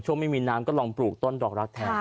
ไม่มีน้ำก็ลองปลูกต้นดอกรักแทน